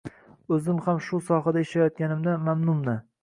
Oʻzim ham shu sohada ishlayotganimdan mamnunman.